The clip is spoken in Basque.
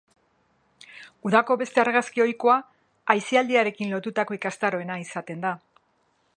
Udako beste argazki ohikoa, aisialdiarekin lotutako ikastaroena izaten da.